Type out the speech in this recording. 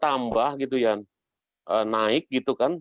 karena memang sekarang jumlahnya bertambah yang naik gitu kan